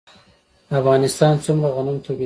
افغانستان څومره غنم تولیدوي؟